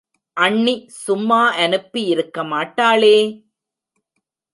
அண்ணி சும்மா அனுப்பி யிருக்க மாட்டாளே!